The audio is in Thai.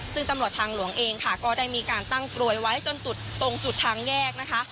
ซึ่งตำรวจทางหลวงเองค่ะก็ได้มีการตั้งกลวยไว้จนจุดตรงจุดทางแยกนะคะ